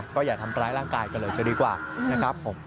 ก็อย่าทำร้ายร่างกายกันเลยจะดีกว่านะครับผม